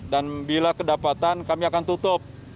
dan bila kedapatan kami akan tutup